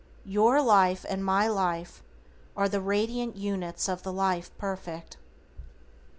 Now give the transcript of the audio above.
Your life and my life are the radiant units of the Life Perfect.